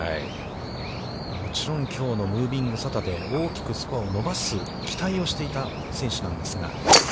もちろん、きょうのムービングサタデー、大きくスコアを伸ばす期待をしていた選手なんですが。